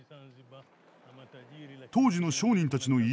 当時の商人たちの家の門。